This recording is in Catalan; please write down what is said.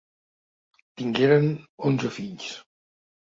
Tingueren onze fills.